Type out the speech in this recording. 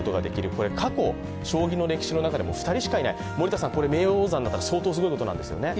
これは過去、将棋の歴史の中でも２人しかいない森田さん、名誉王座になったら相当すごいことなんですよね？